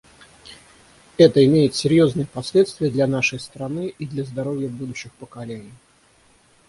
Это имеет серьезные последствия для нашей страны и для здоровья будущих поколений.